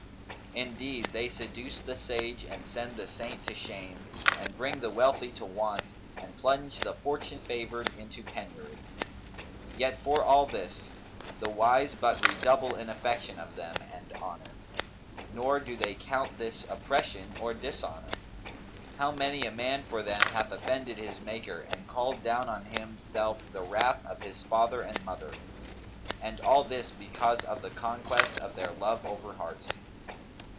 Indeed, they seduce the sage and send the saint to shame and bring the wealthy to want and plunge the fortune favoured into penury. Yet for all this, the wise but redouble in affection of them and honour; nor do they count this oppression or dishonour. How many a man for them hath offended his Maker and called down on him self the wrath of his father and mother! And all this because of the conquest of their love over hearts.